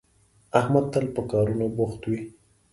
احمد تل په کارونو بوخت وي